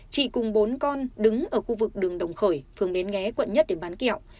chị cùng bốn con đứng ở khu vực đường đồng khởi phường bến nghé quận một để bán kẹo